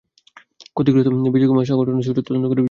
ক্ষতিগ্রস্ত বিজয় কুমার সাহা ঘটনার সুষ্ঠু তদন্ত করে বিচার দাবি করেন।